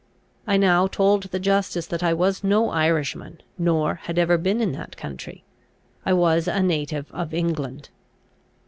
I now told the justice that I was no Irishman, nor had ever been in that country: I was a native of England.